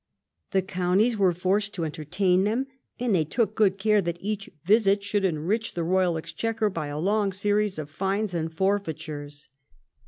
The counties were forced to entertain them, and they took good care that each visit should enrich the royal exchequer by a long series of fines and for feitures.